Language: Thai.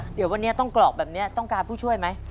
เดี๋ยววันนี้ต้องกรอกแบบนี้ต้องการผู้ช่วยไหม